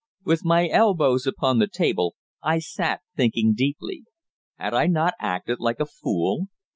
With my elbows upon the table, I sat thinking deeply. Had I not acted like a fool?